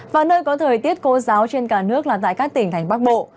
và nơi có thời tiết khô giáo trên cả nước là tại các tỉnh thành bắc bộ